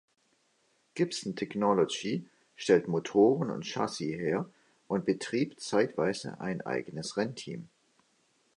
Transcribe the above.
Gibson Technology stellt Motoren und Chassis her und betrieb zeitweise ein eigenes Rennteam.